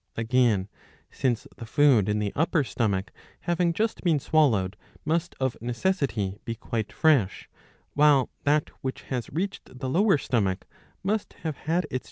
Again, since the food in the upper stomach, having just been swallowed, must of necessity' be quite fresh, while that which has reached the lower* stomach must have had its.